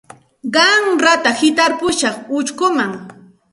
Qanrata hitarpushaq uchkuman.